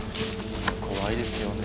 怖いですよね。